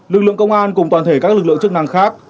lực lượng công an cùng toàn thể các lực lượng chức năng khác